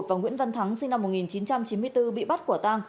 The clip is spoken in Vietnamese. và nguyễn văn thắng sinh năm một nghìn chín trăm chín mươi bốn bị bắt quả tang